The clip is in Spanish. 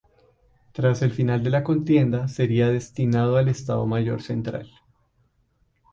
Tras el final de la contienda sería destinado al Estado Mayor Central.